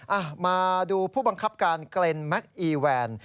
ระมาดูผู้บังคับการเกลนน์แมคอีแวน